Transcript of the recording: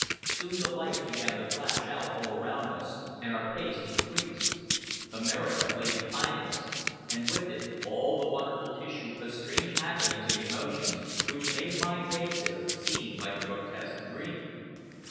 Soon the lights began to flash out all around us, and our pace increased. America lay behind us, and with it all the wonderful tissue of strange happenings and emotions, which made my few days there seem like a grotesque dream.